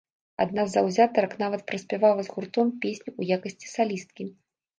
Адна з заўзятарак нават праспявала з гуртом песню ў якасці салісткі.